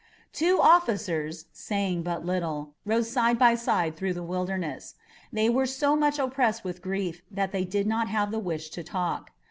The two officers, saying but little, rode side by side through the Wilderness. They were so much oppressed with grief that they did not have the wish to talk.